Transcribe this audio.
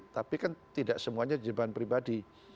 tapi kan tidak semuanya jerban pribadi